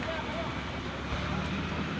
dengan tanda selalu berkampung soket